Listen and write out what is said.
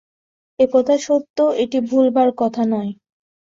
এ সত্য কথা, এটি ভোলবার কথা নয়।